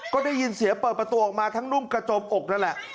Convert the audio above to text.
ก็ได้ยินเสียงเปิดประตูออกมาทั้งนุ่งกระจมอกนั่นแหละ